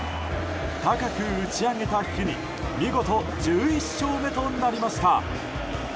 高く打ち上げた日に見事１１勝目となりました。